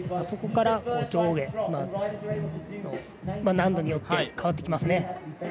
そこから難度によって変わってきますね。